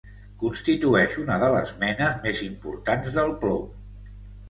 Constitueix una de les menes més importants del plom.